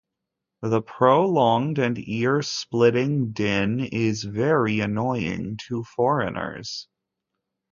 The prolonged and ear-splitting din is very annoying to foreigners.